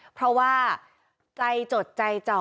เพราะว่าใจจดใจจ่อ